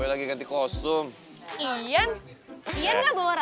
aku gak haus